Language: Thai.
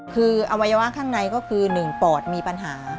คืออวัยวะข้างในก็คือ๑ปอดมีปัญหา